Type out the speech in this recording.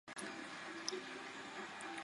曾任天津公安总队政委。